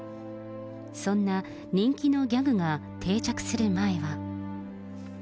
そんな、人気のギャグが定着する前は。